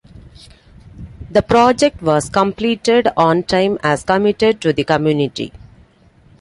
The project was completed on time as committed to the community.